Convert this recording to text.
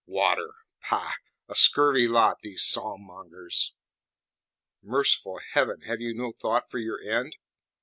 "Water! Pah! A scurvy lot, these psalm mongers!" "Merciful Heaven! Have you no thought for your end?"